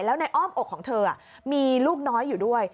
แล้วในอ้อมอกของเธอมีลูกน้อยอยู่ด้วย